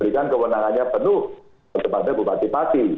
berikan kewenangannya penuh kepada bupati pasi